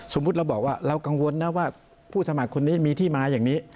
สมมุติเราบอกว่าเรากังวลนะว่าผู้สมัครคนนี้มีที่มาอย่างนี้